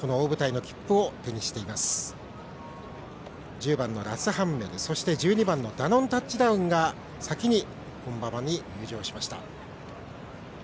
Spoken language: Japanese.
１０番ラスハンメル１２番ダノンタッチダウンが先に本馬場に入場しました。